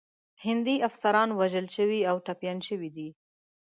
هندي افسران وژل شوي او ټپیان شوي دي.